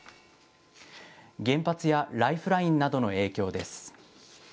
原発やライフラインなどの影響です。